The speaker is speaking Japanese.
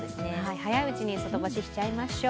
早いうちに外干ししちゃいましょう。